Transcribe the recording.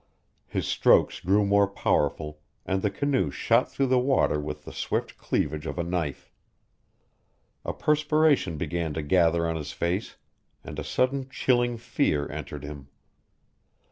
His strokes grew more powerful and the canoe shot through the water with the swift cleavage of a knife. A perspiration began to gather on his face, and a sudden chilling fear entered him.